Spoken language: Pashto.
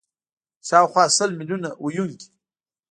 شاوخوا سل میلیونه ویونکي